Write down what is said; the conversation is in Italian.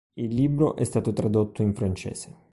Il libro è stato tradotto in francese.